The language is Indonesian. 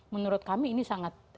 menurut kami ini sangat